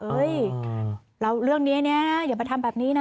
เอ้ยเราเรื่องนี้นะอย่าไปทำแบบนี้นะ